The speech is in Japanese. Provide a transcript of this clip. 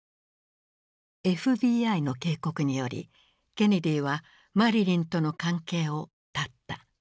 ＦＢＩの警告によりケネディはマリリンとの関係を絶った。